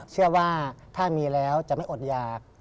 เชื่อว่าถ้ามีแล้วจะไม่อดหยาก